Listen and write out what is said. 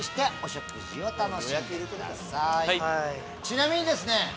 ちなみにですね